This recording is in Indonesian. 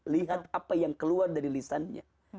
lihat apa yang keluar dari lisannya